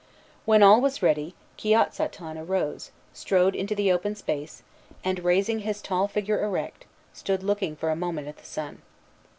When all was ready, Kiotsaton arose, strode into the open space, and, raising his tall figure erect, stood looking for a moment at the sun.